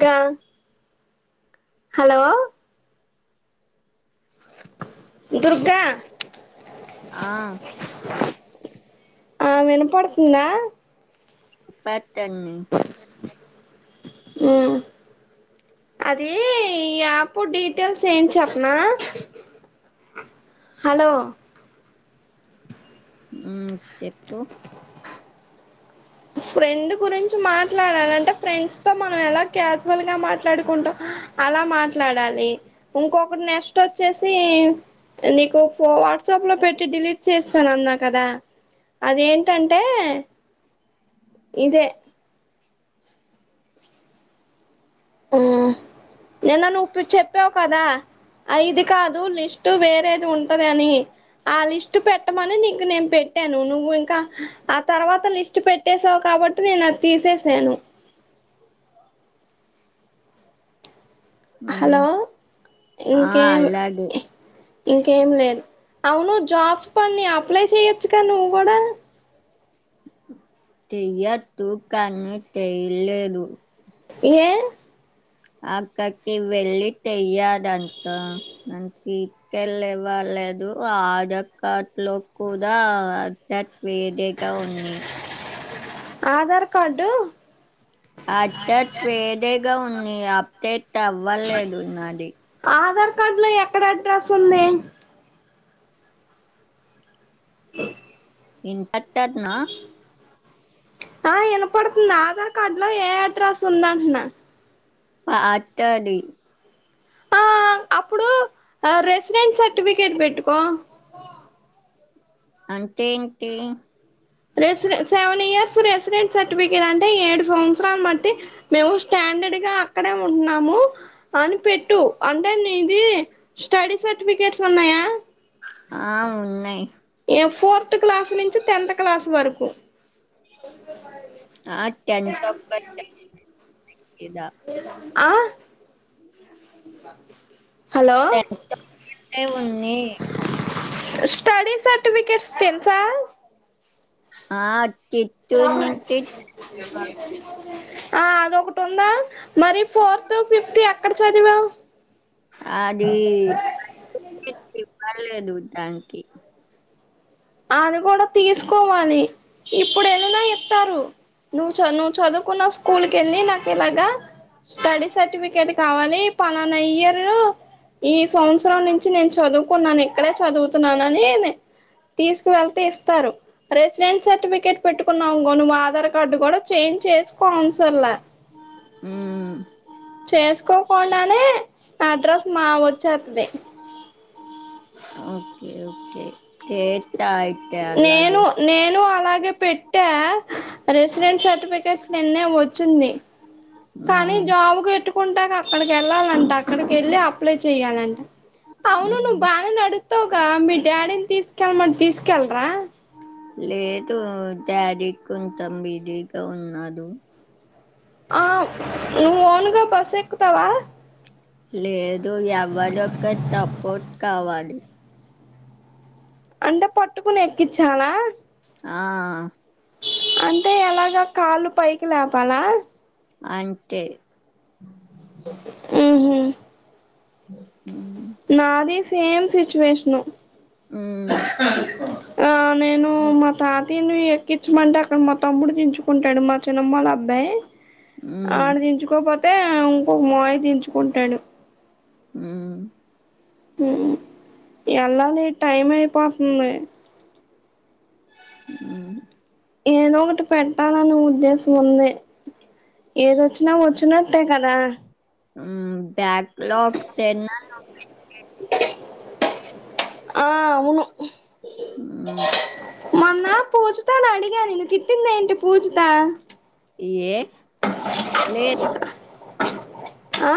ధ hello Durga ఆ ఆ వినపడుతుందా ప తన్ని ఉమ్ అది ఈ యాప్ డీటెయిల్స్ ఏంటి చెప్పనా హలో ఉమ్ తెప్పు ఫ్రెండ్ గురించి మాట్లాడాలి అంటే ఫ్రెండ్స్ తో మనం ఎలా క్యాజువల్ గా మాట్లాడుకుంటమ్ అలా మాట్లాడాలి ఇంకొకటి నెక్స్ట్ వచ్చేసి నీకు ఫో వాట్సాప్ లో పెట్టి డిలీట్ చేస్తాను అన్నా కదా అదేంటంటే ఇదే ఉమ్ నిన్న నువ్వు చెప్పావు కదా అయిది కాదు లిస్ట్ వేరేది ఉంటది అని ఆ లిస్ట్ పెట్టమని నీకు నేను పెట్టాను నువ్వు ఇంకా ఆ తర్వాత లిస్ట్ పెట్టేసావు కాబట్టి నేను అది తీసేసాను హలో మ్మ్ ఆ ఇంకే ఉమ్ అలాగే ఇంకేం లేదు అవును జాబ్స్ పడ్నాయ్ అప్లై చెయచ్చు గా నువ్వు కూడా తయ్యదుూ కాన్ని తెయ్ లేదు ఏ అక్కకి వెళ్ళి తెయ్యదంతా అ ఇక్కెళ్ళ ఇవ్వలేదు ఆదక్కట్లో కూడా అన్ తే వేరేగా ఉంది ఆధార్ కార్డు అధత్వేదేగా ఉంది అప్డేట్ అవ్వలేదు నాది ట్లో ఎక్కడ అడ్రస్ ఉంది అ ఇన్ంతట్టన్నా ఆ వినపడుతుంది ఆధార్ కార్డు లో ఏ అడ్రస్ ఉందంఅట్న ఆ అట్టది ఆ అప్పుడు రెసిడెన్ట్ సర్టిఫికెట్ పెట్టుకో అంటేంటి రెసిడె సెవెన్ ఇయర్స్ రెసిడెంట్ సర్టిఫికెట్ అంటే ఏడు సంవత్సరాాల మట్టి మేము స్టాండర్డ్గా అక్కడే ఉంటున్నాము అని పెట్టు అంటే నీది స్టడీ సర్టిఫికెట్స్ ఉన్నాయా ఆ ఉన్నాయి్ ఫోర్త్ క్లాస్ నుంచి టెన్త్ క్లాస్ వరకు ఆ టెన్త్ ఒక్కటే ఏదా ఆ కా టెన్త్ ఒక్కటి ఉంది స్టడీ సర్టిఫికేట్స్ తెల్సా ఆ చిత్తూరు నుంచి ఆ అదొకటి ఉందా మరి ఫోర్త్ ఫిఫ్త్ ఎక్కడ చదివావ్ అది పర్లేదు దానికి అది కూడా తీసుకోవాలి ఇప్పుడు వెళ్నా ఇస్తారు నువ్వు చ నువ్వు చదువుకున్న స్కూల్కి వెళ్ళి నాకు ఇలాగా స్టడీ సర్టిఫికేట్ కావాలి పలానా ఇయర్ ఈ సంవత్సరం నుంచి నేను చదువుకున్నాను ఎక్కడే చదువుతున్నాన అని తీసుకు వెళ్తే ఇస్తారు రెసిడెన్ట్ సర్టిఫికేట్ పెట్టుకున్నావుకో నువ్వు ఆధార్ కార్డు కూడా చేంజ్ చేసికోన్సర్లా ఆ చేసుకోకుండానే అడ్రస్ మా వచ్చేత్ ది ఓకే ఓకే తేత అయితే అలాగే నేను నేను అలాగే పెట్ట రెసిడెంట్ సర్టిఫికెట్ నిన్నే వచ్చింది కానీ ఉమ్, జమ్ కేట్ పెట్టుకుంటాగ అక్కడికి వెళ్ళాలంట అక్కడికి వెళ్ళి అప్లై చేయాలంట అవును ఉమ్. నువ్వు బాగా నడుతావుగా మీ డాడీని తీసుకెళ్ళ మన్ తీసుకెళ్లరా లేదు డాడీ కొంచెం బిజీగా ఉన్నాదు ఆవ్ నువ్ ఓన్ గా బస్సు ఎక్కుతావా లేదు టు ఎవదొక తపోర్ట్ కావాలి అంటే పట్టుకుని ఎక్కించాలా ఆ అంటే అలాగా కాళ్ళు పైకి లేపాలా అంటే ఉహు ఉహు నాది సేమ్ సిచువేషన్ ఉ ఆ నేను మా తాత్ తీను ఎక్కించుమంటే అక్కడ మా తమ్ముడు దించుకుంటాడు మా చిన్నమ్మల అబ్బాయి ఉమ్, ఆడ్ దించుకో పోత్ అయితే ఇంకొక మాయి దించుకుంటాడు ఉ ఉ ఎలా నే టైం అయిపోతుంది ఉ ఏదో ఒకటి పెట్టాలని ఉద్దేశం ఉంది ఏదొచ్చినా వచ్చినట్టే కదా ఉమ్ బ్యాగ్ లోక్ తేన నొకేటే ఆ అవును మొన్న పూజితనీ అడిగా నేను తిట్టింది ఏంటి పూజిత ఇయ్యే నేర్ ఆ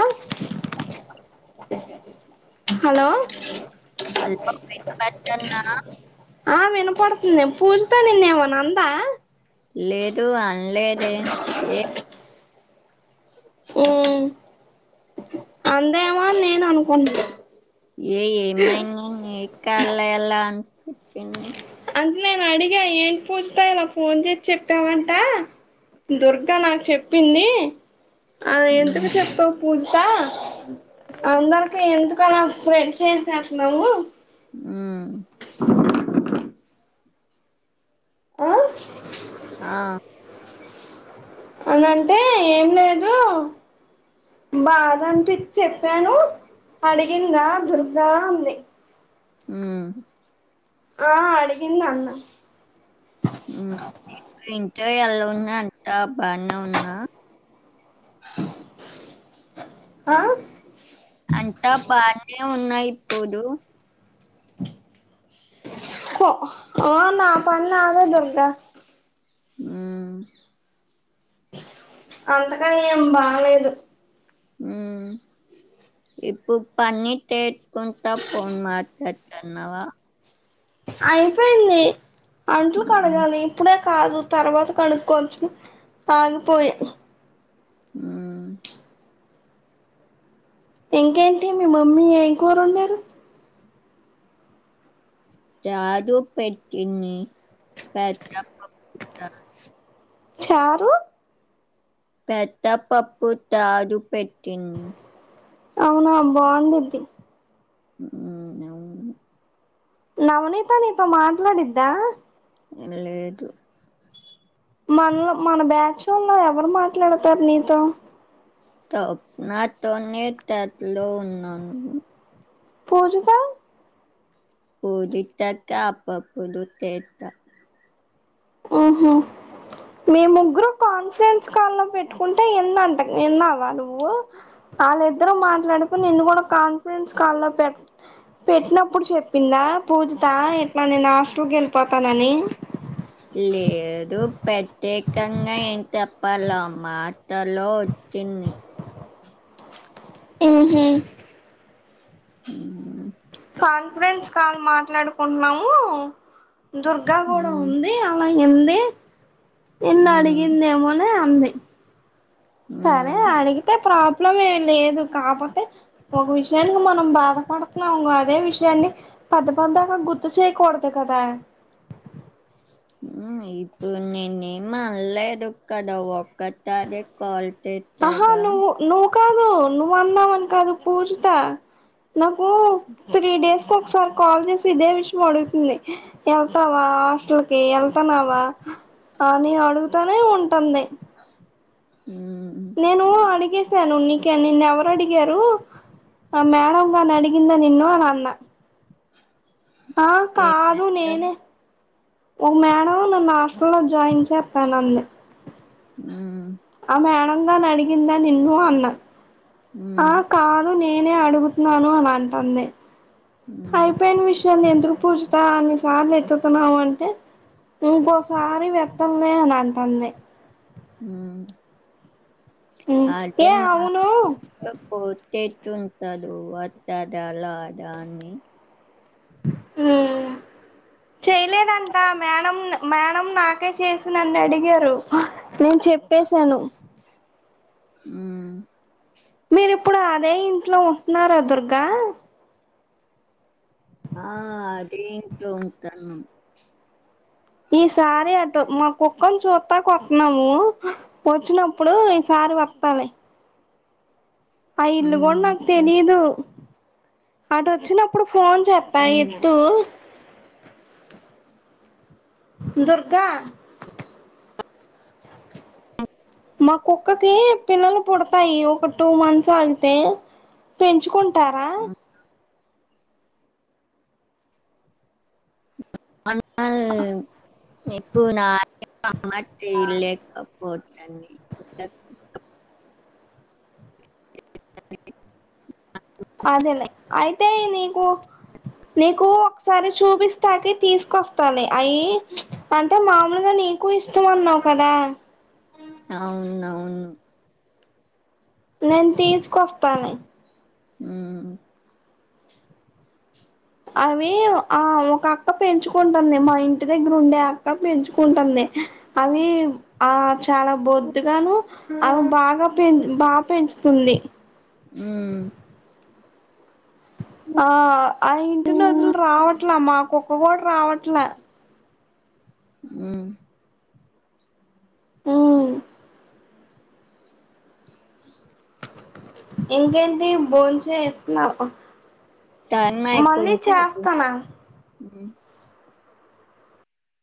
హలో అల్పం బెట్ మ్యాచ్ కర్ నా ఆ వినపడుతుంది పూజిత నిన్ను ఏమన్నా అందా లేదు అనలేదే ఏ ఉ అంది ఏమో నేను అనుకున్ ఏ ఏమైంది నీ [unintelligible] [unintelligible] నేను అడిగా ఏంటి పూజితా ఇలా ఫోన్ చేసి చెప్పావంట దుర్గా నాకు చెప్పింది అలా ఉమ్, ఎందుకు చెప్పావు పూజిత అందరికి ఎందుకలా స్ప్రెడ్ చేసే చేస్తున్నావు హు ఆ ఆ అనంటే ఏం లేదు బాధ అనిపించి చెప్పాను అడిగిందా దుర్గా అంది ఆ ఆ అడిగింది అన్న హు ఇంట్లో ఇంకా అలా ఉన్నారు అంతా బానే ఉన్నా ఆ అంతా బానే ఉన్నాయి ఇప్పుడు పో ఆ నా పని నాదే దుర్గా హు అంతగా ఏం బాగలేదు హు ఇప్పు పనిచే కొంత ఫోన్ మార్తా కన్నావా అయిపోయింది అంట్లు ఉమ్, కడగాలి ఇప్పుడే కాదు తర్వాత కడుక్కోవచ్చు ఆగిపోయా హు ఇంకేంటి మీ మమ్మీ ఏం కూర వండారు చారు పెట్టింది పెద్ద అక్కా [unintelligible] చారు పెద్ద పప్పు తాడు పెట్టింది అవునా బాగుండిద్ది హు అవును నవనీతా నీతో మాట్లాడిద్దా లేదు మన లో మన బ్యాచుల్లో ఎవరు మాట్లాడతారు నీతో తో నాతో నే తట్లో ఉన్నాను పూజిత పూజిత అక్కా అప్పుడప్పుడు చేస్తా ఉహు మే ముగ్గురు కాన్ఫరెన్స్ కాల్ లో పెట్టుకుంటే ఇంది అంట ఇన్నావా నువ్వు వాళ్ళిద్దరు మాట్లాడుకుని నిన్ను కూడా కాన్ఫరెన్స్ కాల్ లో పె పెట్టినప్పుడు చెప్పిందా పూజిత ఇట్లా నేను హాస్టల్ కి పాపానని లేదు ప్రత్యేకంగా ఏం తప్పాలో మాటలో వచ్చింది ఉహు ఉ కాన్ఫరెన్స్ కాల్ మాట్లాడుకుంటున్నాము దుర్గా కూడా మ్మ్ ఉంది అ అయింది నిన్న మ్మ్ అడిగింది ఏమో నే అంది సరే మ్మ్ అడిగితే ప్రా విప్లం ఏమి లేదు కాకపోతే ఒక విషయానికి మనం బాధపడుతున్నాము అదే విషయాన్ని పెద్ద పెద్ద గా గుర్తు చేయకూడదు కదా హ్మ్ ఇప్పుడు నేను ఏం అనలేదు కదా ఒక సారే కాల్ ఆహా చేశాగా నువ్వు నువు కాదు నువ్వు అన్నావని కాదు పూజిత నాకు త్రీ డేస్ క ఒకసారి కాల్ చేసి ఇదే విషయం అడుగుతుంది వెళ్తావా హాస్టల్ కి వెళ్తన్నావా అని అడుగుతానే ఉంటుంది మ్మ్ నేను అడిగేసాను ని ఓకే నిన్న ఎవరు అడిగారు ఆ మేడం కాని అడిగిందా నిన్ను అని అన్న ఆ ఏ కాదు మేడం నేనే ఓ మేడం నన్ను హాస్టల్ లో జాయిన్ చేతాను అన్నది హ్మ్ ఆ మేడంగా అడిగిందా నిన్ను అన్న ఆ ఉమ్ కాదు ని నేనే అడుగుతున్నాను అన్ని అంటుంది ఉమ్ అయిపోయిన విషయాలు ఎన్ చత్ర పూజిత అన్ని సార్లు ఎత్తుతున్నాము అంటే ఇంకోసారి వేత్తను లే అని అంటుంది హ్మ్ అ ఏ ఎమా అవును [unintelligible] చేతుంటడు వాతాడా లాదా అని హ్మ్ చేయలేదంట మేడం మేడం నాకే చేసి నన్నే అడిగారు నేను చెప్పసాను హ్మ్ మీరిప్పుడు అదే ఇంట్లో ఉంటున్నారా దుర్గా ఆ అదే ఇంట్లో ఉంటనం ఈసారి అటు మా కుక్కని చూతకు వస్తున్నాము వచ్చినప్పుడు ఈసారి వతా లె ఆ ఇల్లు కూడా ఉమ్ నాకు ఉ- తెలిదు అటు వచ్చి నప్పుడు ఫోన్ చేతా ఉమ్ ఎత్తు దుర్గా మా కుక్కకి పిల్లలు పుడతాయి ఒక టూ మంత్స్ అగితే పెంచుకుం తార అన్నా ఇప్పుడా అ మట్టి లేకపో అదేలే అయితే నీకు నీకు ఒకసారి చూపిస్తాకి తీసుకొస్తాలే అయి అంటే మామూలుగా నీ కు ఇష్టం అన్నావు కదా అవునవును నేను తీసుకొస్తా నీ హ్మ్ అవి ఆ ఒక అక్క పెంచుకుంటంది మా ఇంటి దగ్గర ఉండే అక్క పెంచుకుంటంది అవి ఆ చాలా బొద్దుగాను అవి బాగా పె బా పెంచుతుంది హ్మ్ ఆ ఆ ఇంటి నొదిలి రావట్లా మాకు ఎవరు రావట్లా హ్మ్ హ్మ్ ఇంకేంటి బోం చేస్తున్నావ టైం మళ్ళీ అయిపోయింది చూడు చేస్తనా ఉమ్